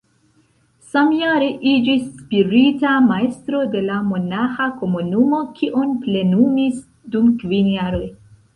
Samjare iĝis spirita majstro de la monaĥa komunumo, kion plenumis dum kvin jaroj.